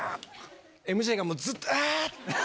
ＭＪがもうずっと「あぁ！」